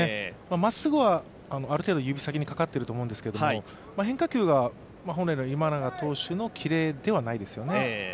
まっすぐはある程度指先にかかっていると思うんですけど、変化球が本来、今永投手の切れではないですよね。